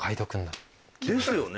ですよね。